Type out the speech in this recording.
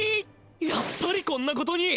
やっぱりこんなことに。